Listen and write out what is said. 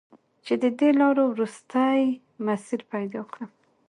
چې د دې لارو، وروستی مسیر پیدا کړم